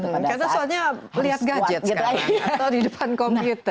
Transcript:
karena soalnya melihat gadget sekarang atau di depan komputer